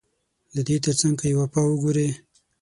ددې ترڅنګ که يې وفا وګورې